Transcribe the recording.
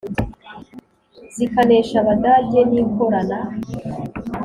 Zikanesha Abadage nikorana